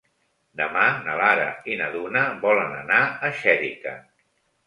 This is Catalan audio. Demà na Lara i na Duna volen anar a Xèrica.